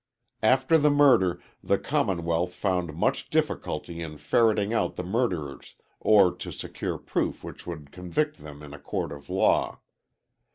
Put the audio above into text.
After the murder the Commonwealth found much difficulty in ferreting out the murderers, or to secure proof which would convict them in a court of law.